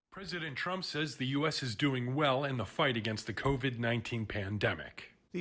presiden trump mengatakan amerika sedang berjalan baik dalam pertempuran terhadap pandemi covid sembilan belas